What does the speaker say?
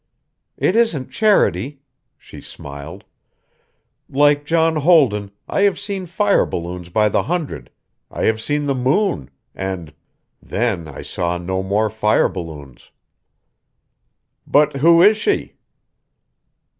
"It isn't charity," she smiled. "Like John Holden, I have seen fire balloons by the hundred, I have seen the moon, and then I saw no more fire balloons." "But who is she?"